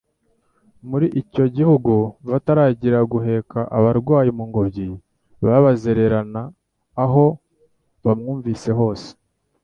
muri icyo gihugu batarigira guheka abarwayi mu ngobyi babazererana aho bamwumvise hose.